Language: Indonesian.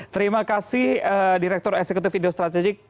terima kasih direktur eksekutif indo strategik